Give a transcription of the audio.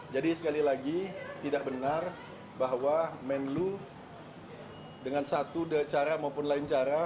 jadi sekali lagi tidak benar bahwa menlu dengan satu cara maupun lain cara